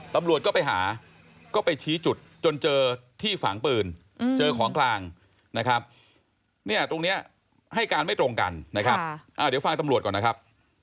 ตำรวจก็ไปหาก็ไปชี้จุดจนเจอที่ฝังปืนเจอของกลางนะครับเนี่ยตรงนี้ให้การไม่ตรงกันนะครับเดี๋ยวฟังตำรวจก่อนนะครับ